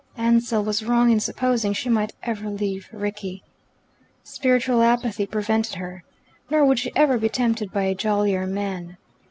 Ansell was wrong in sup posing she might ever leave Rickie. Spiritual apathy prevented her. Nor would she ever be tempted by a jollier man.